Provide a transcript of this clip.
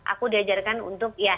aku diajarkan untuk